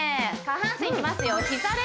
下半身いきますよ